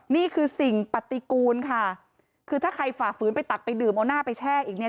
นี่คือสิ่งปฏิกูลค่ะคือถ้าใครฝ่าฝืนไปตักไปดื่มเอาหน้าไปแช่อีกเนี่ย